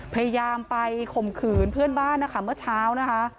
พยายามไปข่มขืนเพื่อนบ้านนะคะเมื่อเช้านะคะ